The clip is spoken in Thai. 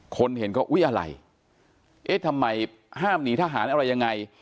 คนเห็นก็อุ้ยอะไรเอ๊ะทำไมห้ามหนีทหารอะไรยังไง